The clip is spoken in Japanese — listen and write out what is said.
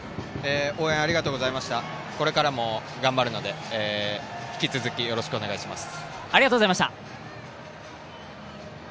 応援ありがとうございました、これからも頑張るので引き続きよろしくお願いします。